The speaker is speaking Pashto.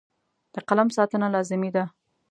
د قلم ساتنه لازمي ده.